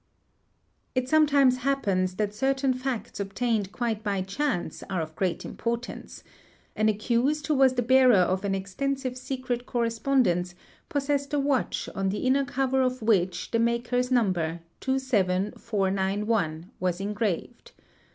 It sometimes happens that certain facts obtained quite by chance are of great importance; an accused who was the bearer of an: extensive secret correspondence possessed a watch on the inner cover of which the maker's number, 27491, was engraved.